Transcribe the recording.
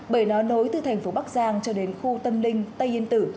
bởi nó nối từ thành phố bắc giang cho đến khu tâm linh tây yên tử